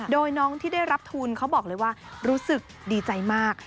โดยน้องที่ได้รับทุนเขาบอกเลยว่ารู้สึกดีใจมาก